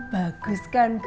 bagus kan beb